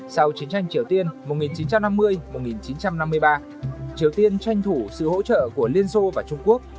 sau chiến tranh triều tiên một nghìn chín trăm năm mươi một nghìn chín trăm năm mươi ba triều tiên tranh thủ sự hỗ trợ của liên xô và trung quốc